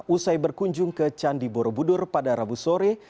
usai berkunjung ke candi borobudur pada rabu sore